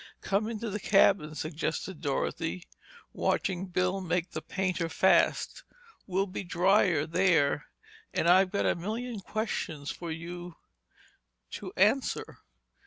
"Come into the cabin," suggested Dorothy, watching Bill make the painter fast. "We'll be drier there—and I've got about a million questions for you to answer."